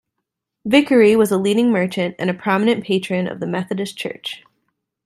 Vickery was a leading merchant and a prominent patron of the Methodist Church.